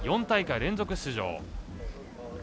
４大会連続出場。